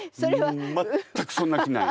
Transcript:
全くそんな気ない！